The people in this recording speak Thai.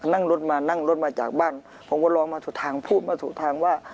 นั่งรถมานั่งรถมาจากบ้านผมก็ลองมาถูกทางพูดมาถูกทางว่า